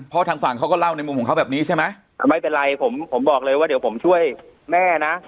เพราะทางฝั่งเขาก็เล่าในมุมของเขาแบบนี้ใช่ไหมไม่เป็นไรผมผมบอกเลยว่าเดี๋ยวผมช่วยแม่นะ